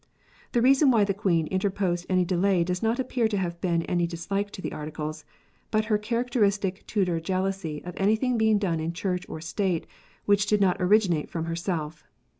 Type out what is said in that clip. The reason why the Queen interposed any delay does not appear to have been any dislike to the Articles, but her characteristic Tudor jealousy of anything being done in Church or State which did not originate from herself.